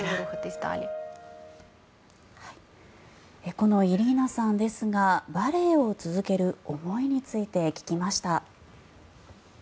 このイリーナさんですがバレエを続ける思いについて聞きました。